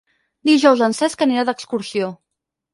Dijous en Cesc anirà d'excursió.